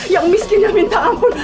yang miskin yang minta ampun